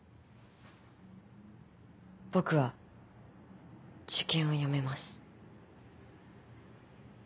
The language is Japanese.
僕は受験をやめます。